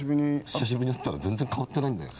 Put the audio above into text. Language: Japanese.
久しぶりに会ったら全然変わってないんだよ。